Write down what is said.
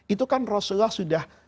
itu kan rasulullah sudah